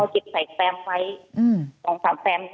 เก็บใส่แฟมไว้๒๓แฟม